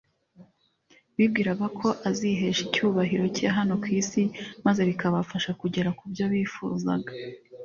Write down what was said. bibwiraga ko azihesha icyubahiro cye hano ku isi, maze bikabafasha kugera ku byo bifuzaga